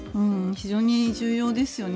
非常に重要ですよね。